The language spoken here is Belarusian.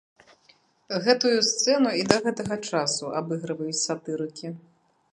Гэтую сцэну і да гэтага часу абыгрываюць сатырыкі.